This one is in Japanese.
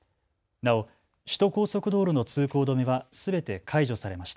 なお首都高速道路の通行止めはすべて解除されました。